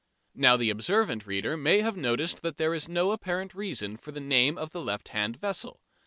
] Now the observant reader may have noticed that there is no apparent reason for the name of the left hand vessel.